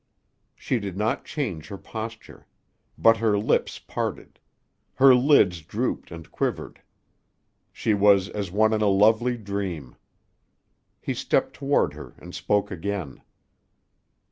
She did not change her posture. But her lips parted. Her lids drooped and quivered. She was as one in a lovely dream. He stepped toward her and spoke again.